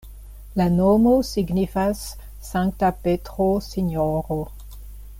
La nomo signifas Sankta Petro-Sinjoro.